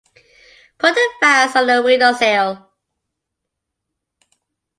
Put the vase on the windowsill.